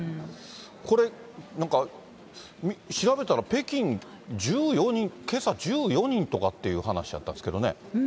これ、なんか、調べたら、北京、けさ１４人とかっていう話やったですけどね。